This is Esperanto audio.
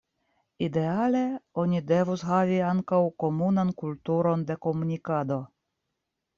Ideale oni devus havi ankaŭ komunan kulturon de komunikado.